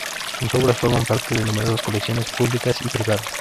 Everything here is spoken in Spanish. Sus obras forman parte de numerosas colecciones públicas y privadas.